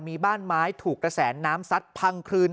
มีบ้านไม้ถูกกระแสน้ำซัดพังคลืน